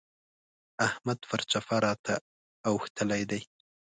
احمد پر چپه راته اوښتلی دی.